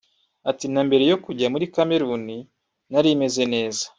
Ati “Na mbere yo kujya muri Cameroun nari meze neza